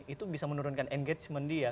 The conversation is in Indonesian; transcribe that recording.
itu bisa menurunkan engagement dia